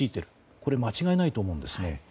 これは間違いないと思うんですね。